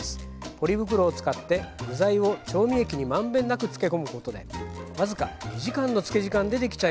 ポリ袋を使って具材を調味液に満遍なく漬け込むことで僅か２時間の漬け時間でできちゃいますよ。